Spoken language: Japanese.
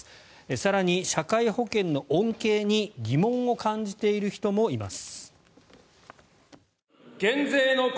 更に社会保険の恩恵に疑問を感じている人もいます。